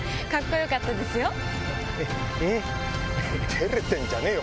照れてんじゃねえよ！